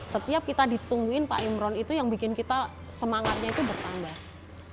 setiap kita ditungguin pak imron itu yang bikin kita semangatnya itu bertambah